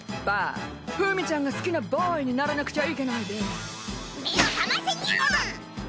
バットフミちゃんが好きなボーイにならなくちゃいけないデース。